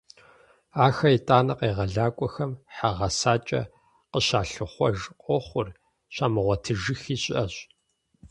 Ахэр итӏанэ къегъэлакӏуэхэм хьэ гъэсакӏэ къыщалъыхъуэж къохъур, щамыгъуэтыжыххи щыӏэщ.